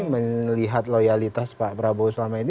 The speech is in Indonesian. melihat loyalitas pak prabowo selama ini